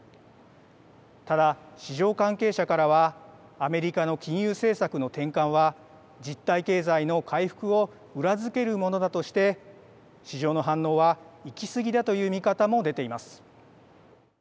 ただ、市場関係者からはアメリカの金融政策の転換は実体経済の回復を裏付けるものだとして市場の反応は行きすぎだという見方も出ています。